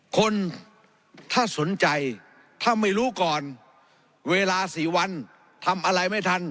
คนถ้าสนใจถ้าไม่รู้ก่อนเวลา๔วันทำอะไรไม่ทัน